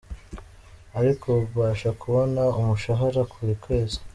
Ariko ubu mbasha kubona umushahara buri kwezi.